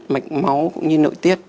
mạch máu cũng như nội tiết